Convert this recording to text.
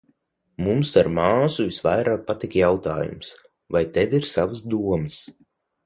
Mums ar māsu visvairāk patika jautājums "Vai tev ir savas domas?"